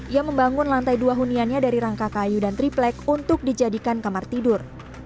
ia membangun lantai dua huniannya dari rangka kayu dan triplek untuk dijadikan kamar tidur